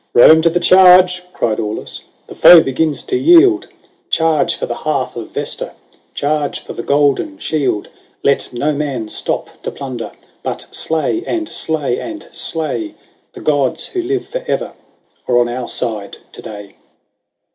" Eome to the charge !" cried Aulus ;" The foe begins to yield ! 130 LAYS OF ANCIENT ROME. Charge for the hearth of Vesta ! Charge for the Golden Shield ! Let no man stop to plunder. But slay, and slay, and slay ; The Gods who live for ever Are on our side to day."